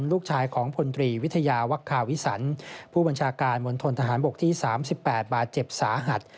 ลูกชายของพลตรีวิทยาวักคาวิสันผู้บัญชาการมณฑนทหารบกที่๓๘บาดเจ็บสาหัส